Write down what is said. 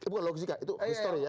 bukan logika itu histori ya